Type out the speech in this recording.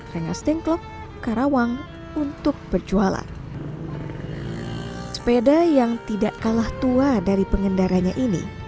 rengas dengklok karawang untuk berjualan sepeda yang tidak kalah tua dari pengendaranya ini